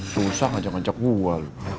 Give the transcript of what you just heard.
susah ngajak gua